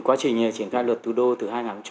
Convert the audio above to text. quá trình triển khai luật thủ đô từ hai nghìn một mươi